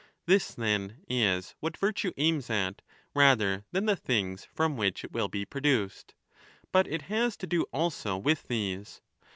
This, then, is what virtue aims at rather than the things from which it will be produced. But it has to do also with these.